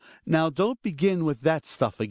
now don't begin with that stuff again!